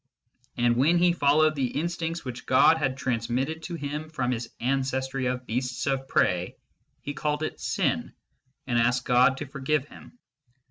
And when he followed the instincts which God had transmitted to him from his ancestry of beasts of prey, he called it Sin, and asked God to forgive him.